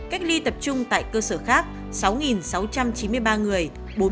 cách ly tập trung tại cơ sở khác sáu sáu trăm chín mươi ba người bốn mươi